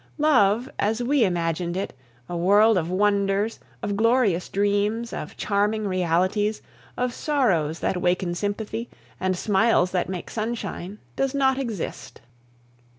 Love, as we imagined it, a world of wonders, of glorious dreams, of charming realities, of sorrows that waken sympathy, and smiles that make sunshine, does not exist.